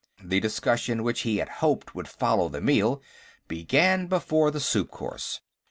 The discussion which he had hoped would follow the meal began before the soup course.